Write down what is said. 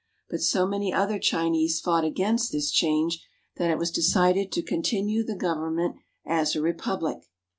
But so many other Chinese fought against this change that it was decided to continue the government as a Republic.